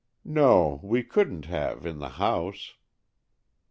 "No, we couldn't have, in the house."